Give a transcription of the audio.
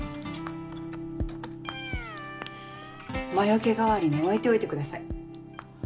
魔よけ代わりに置いておいてください。